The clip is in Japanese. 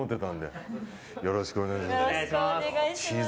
よろしくお願いします。